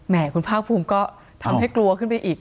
คุณภาคภูมิก็ทำให้กลัวขึ้นไปอีก